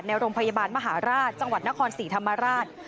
โรงพยาบาลมหาราชจังหวัดนครศรีธรรมราช